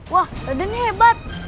wah radennya hebat